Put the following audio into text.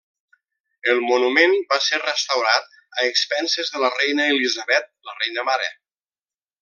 El monument va ser restaurat a expenses de la Reina Elisabet, la Reina Mare.